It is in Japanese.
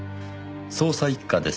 捜査一課ですか？